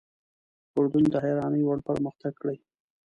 اردن د حیرانۍ وړ پرمختګ کړی.